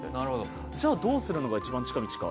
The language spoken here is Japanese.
じゃあどうするのが一番近道か。